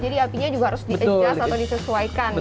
jadi apinya juga harus di ejas atau disesuaikan gitu